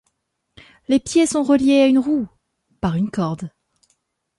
Les pieds sont reliés à une roue par une corde.